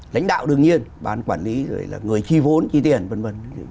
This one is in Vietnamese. lãnh đạo đương nhiên ban quản lý rồi là người chi vốn chi tiền v v